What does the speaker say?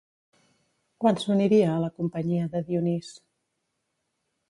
Quan s'uniria a la companyia de Dionís?